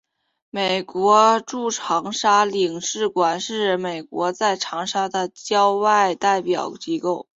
美国驻长沙领事馆是美国在长沙的外交代表机构。